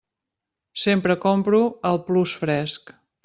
Sempre compro al Plus Fresc.